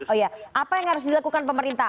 oh ya apa yang harus dilakukan pemerintah